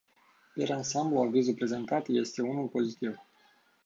Per ansamblu, avizul prezentat este unul pozitiv.